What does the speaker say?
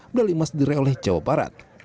medali emas diraih oleh jawa barat